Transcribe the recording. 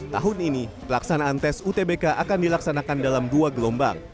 tahun ini pelaksanaan tes utbk akan dilaksanakan dalam dua gelombang